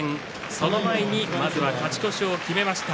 その前に、まずは勝ち越しを決めました。